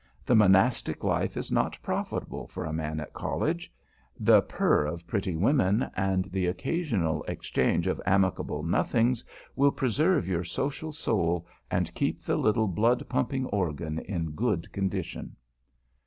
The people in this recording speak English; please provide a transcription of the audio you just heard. The Monastic life is not profitable for a man at College. The purr of pretty women and the occasional exchange of amicable nothings will preserve your social soul and keep the little blood pumping organ in good condition.